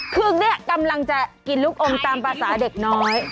คือเนี่ยกำลังจะกินลูกอมตามภาษาเด็กน้อย